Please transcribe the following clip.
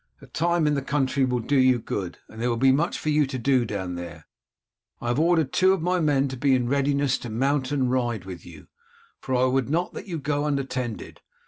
A time in the country will do you good, and there will be much for you to do down there. I have ordered two of my men to be in readiness to mount and ride with you, for I would not that you should go unattended.